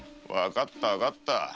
わかったわかった。